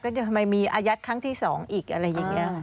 แล้วทำไมมีอายัดครั้งที่สองอีกอะไรอย่างเงี้ย